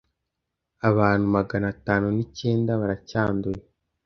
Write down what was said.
abantu Magana atanu nicyenda baracyanduye,